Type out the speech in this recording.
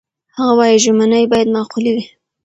هغه وايي، ژمنې باید معقولې وي.